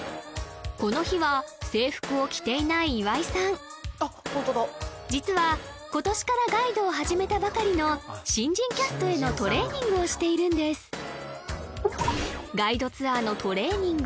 この日は制服を着ていない岩井さん実は今年からガイドを始めたばかりの新人キャストへのトレーニングをしているんですガイドツアーのトレーニング